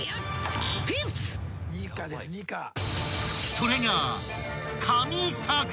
［それが］